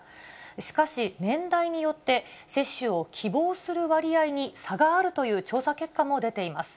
しかし、年代によって接種を希望する割合に差があるという調査結果も出ています。